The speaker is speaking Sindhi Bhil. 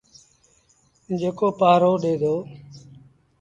جيڪو پآهرو ڏي دو۔